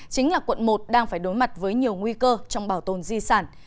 chính là quận một đang phải đối mặt với nhiều nguy cơ trong bảo tồn di sản